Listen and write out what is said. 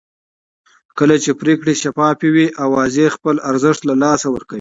کله چې پرېکړې شفافې وي اوازې خپل ارزښت له لاسه ورکوي